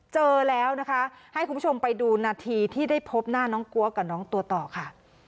เจอแล้วนะคะให้คุณผู้ชมไปดูนาทีที่ได้พบหน้าน้องกลัวกับน้องตัวต่อค่ะ